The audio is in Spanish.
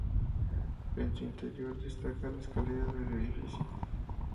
En su interior destaca la escalera del edificio.